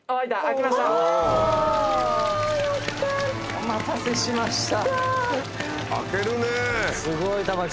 お待たせしました。